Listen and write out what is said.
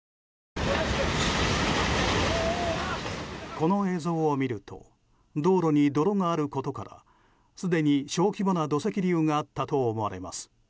この映像を見ると道路に泥があることからすでに小規模な土石流があったと思われます。